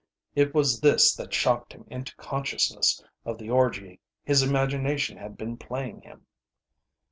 It was this that shocked him into consciousness of the orgy his imagination had been playing him.